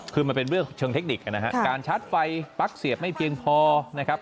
คือมันเป็นเรื่องเชิงเทคนิคนะฮะการชาร์จไฟปลั๊กเสียบไม่เพียงพอนะครับ